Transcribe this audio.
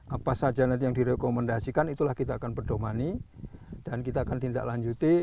apa saja nanti yang direkomendasikan itulah kita akan berdomani dan kita akan tindak lanjuti